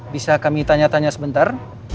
bisa kami tanya tanya sebentar